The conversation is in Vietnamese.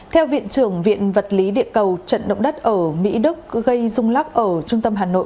theo viện trưởng viện vật lý địa cầu trận động đất ở mỹ đức gây rung lắc ở trung tâm hà nội